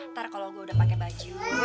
ntar kalau gue udah pakai baju